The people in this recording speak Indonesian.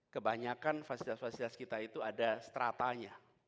kebanyakan fasilitas fasilitas kita itu ada stratanya